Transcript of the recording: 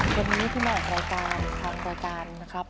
วันนี้ที่มาออกไปซ่อนคร่างรายการ